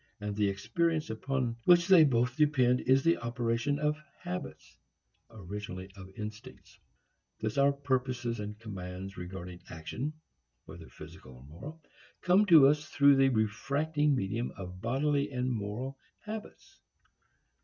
And the experience upon which they both depend is the operation of habits originally of instincts. Thus our purposes and commands regarding action (whether physical or moral) come to us through the refracting medium of bodily and moral habits.